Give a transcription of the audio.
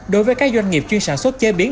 đối với các doanh nghiệp chuyên sản xuất chế biến